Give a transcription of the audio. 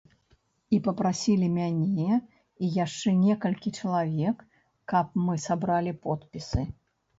І папрасілі мяне і яшчэ некалькі чалавек, каб мы сабралі подпісы.